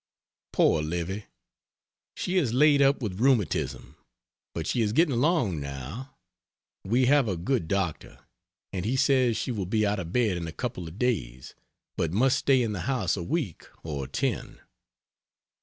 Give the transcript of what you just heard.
Poor Livy! She is laid up with rheumatism; but she is getting along now. We have a good doctor, and he says she will be out of bed in a couple of days, but must stay in the house a week or ten.